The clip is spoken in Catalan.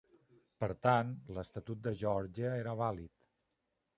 Per tant, l'estatut de Geòrgia era vàlid.